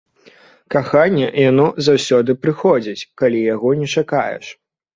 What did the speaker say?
Каханне, яно заўсёды прыходзіць, калі яго не чакаеш.